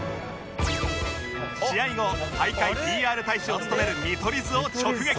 試合後大会 ＰＲ 大使を務める見取り図を直撃！